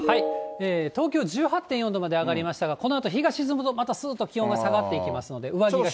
東京、１８．４度まで上がりましたが、このあと日が沈むと、また、すーっと下がっていきますので、上着が必要です。